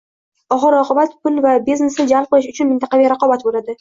Oxir -oqibat, pul va biznesni jalb qilish uchun mintaqaviy raqobat bo'ladi